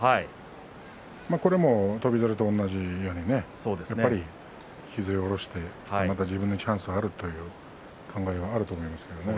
これも翔猿と同じように引きずり下ろして、また自分にチャンスがあるという考えはあると思います。